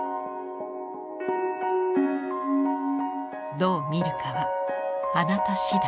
どう見るかはあなた次第。